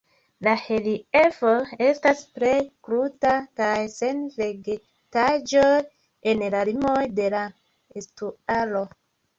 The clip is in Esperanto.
La reliefo estas plej kruta kaj sen vegetaĵoj en la limoj de la estuaro.